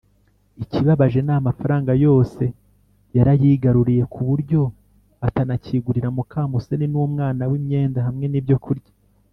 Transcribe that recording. ikibabaje, n’amafaranga yose yarayigaruriye k’uburyo atanakigurira mukamusoni n’umwana we imyenda hamwe n’ibyo kurya.